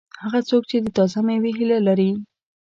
هغه څوک چې د تازه مېوې هیله لري.